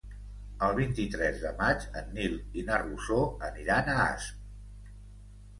El vint-i-tres de maig en Nil i na Rosó aniran a Asp.